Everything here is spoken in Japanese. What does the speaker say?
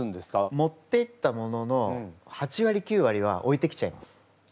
持っていったものの８わり９わりは置いてきちゃいます。